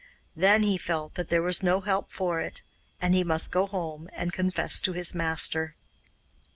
Then he felt that there was no help for it, and he must go home and confess to his master.